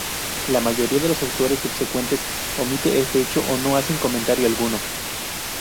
La mayoría de los autores subsecuentes omite este hecho o no hacen comentario alguno.